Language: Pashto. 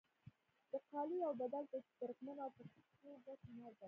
د قالیو اوبدل د ترکمنو او پښتنو ګډ هنر دی.